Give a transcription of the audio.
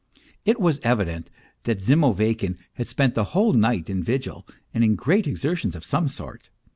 It was evident that ZLmoveykin had spent the whole night in vigil and in great exertions of some sort.